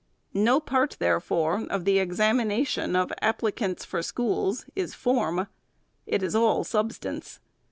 No part, there fore, of the examination of applicants for schools is form. It is all substance.